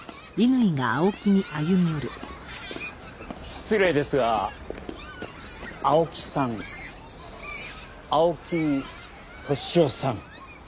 失礼ですが青木さん？青木年男さん。